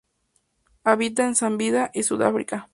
Habita en Namibia y Sudáfrica.